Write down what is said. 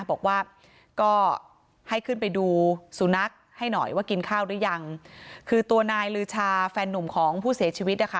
บอกว่าก็ให้ขึ้นไปดูสุนัขให้หน่อยว่ากินข้าวหรือยังคือตัวนายลือชาแฟนนุ่มของผู้เสียชีวิตนะคะ